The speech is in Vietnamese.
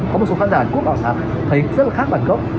có một số khán giả hàn quốc bảo tàng thấy rất là khác bản gốc